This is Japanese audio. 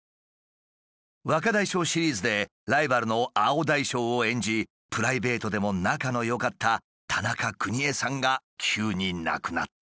「若大将」シリーズでライバルの青大将を演じプライベートでも仲のよかった田中邦衛さんが急に亡くなった。